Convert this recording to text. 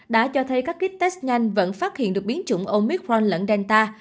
đã cho thấy các kết test nhanh vẫn phát hiện được biến chủng omicron lẫn delta